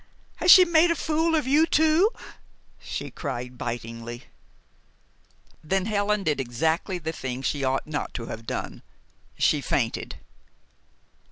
Has she made a fool of you too?" she cried bitingly. Then Helen did exactly the thing she ought not to have done. She fainted.